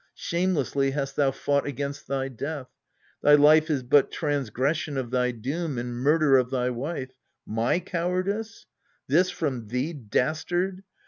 Shamelessly hast thou fought against thy death : Thy life is but transgression of thy doom And murder of thy wife my cowardice ! This from thee, dastard